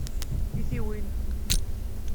I tiwin?